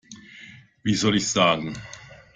Wie soll ich sagen?